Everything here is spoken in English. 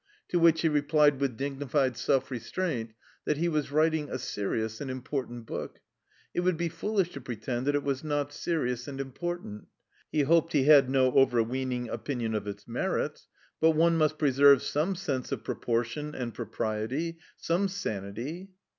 To which he replied, with dignified self restraint, that he was writing a serious and important book. It would be foolish to pretend that it was not serious and important. He hoped he had no overweening opinion of its merits, but one must preserve some sense of proportion and propriety some sanity.